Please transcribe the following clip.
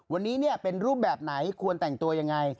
วันนี้เป็นรูปแบบไหนควรแต่งตัวยังไง